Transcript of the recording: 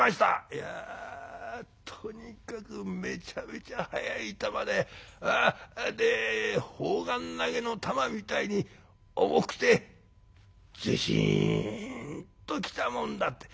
「いやとにかくめちゃめちゃ速い球でで砲丸投げの球みたいに重くてズシーンときたもんだ」って。